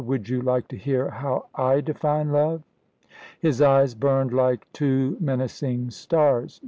Would you like to hear how I define love?" His eyes burned like two menacing stars.